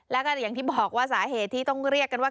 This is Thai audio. แล้วก็อย่างที่บอกว่าสาเหตุที่ต้องเรียกกันว่า